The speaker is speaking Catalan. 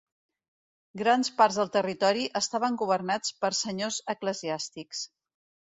Grans parts del territori estaven governats per senyors eclesiàstics.